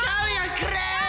bu anitta yang keren